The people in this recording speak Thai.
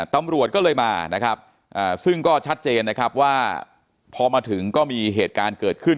ตำรวจก็เลยมานะครับซึ่งก็ชัดเจนนะครับว่าพอมาถึงก็มีเหตุการณ์เกิดขึ้น